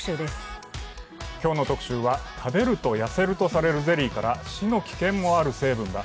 今日の特集は食べると痩せるとされるゼリーから死の危険もある成分が。